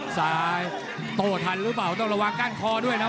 ซ้ายโต้ทันหรือเปล่าต้องระวังก้านคอด้วยนะ